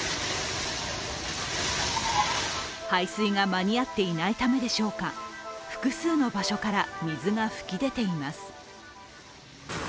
排水が間に合っていないためでしょうか、複数の場所から水が噴き出ています。